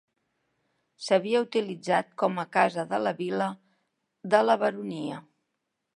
S'havia utilitzat com a casa de la vila de la Baronia.